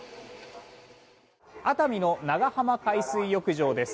熱海の長浜海水浴場です。